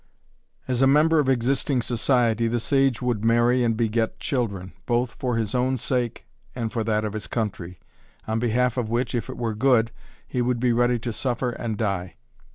As a member of existing society the sage would marry and beget children, both for his own sake and for that of his country, on behalf of which, if it were good, he would be ready to suffer and die.